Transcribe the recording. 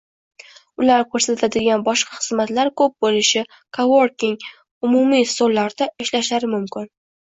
ular koʻrsatadigan boshqa xizmatlar koʻp boʻlishi, co-working umumiy stollarida ishlashlari mumkin.